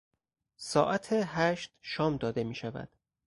ساعت هشت شام داده میشود.